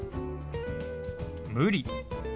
「無理」。